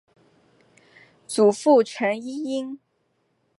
祖父陈尹英。